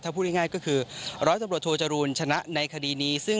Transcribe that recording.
ถ้าพูดง่ายก็คือ๑๐๐สกจรูลชนะในคดีนี้